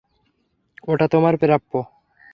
ওটা তোমার প্রাপ্য।